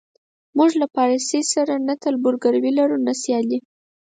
موږ له پارسي سره نه تربورګلوي لرو نه سیالي.